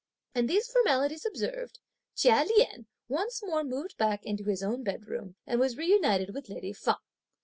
And these formalities observed, Chia Lien once more moved back into his own bedroom and was reunited with lady Feng.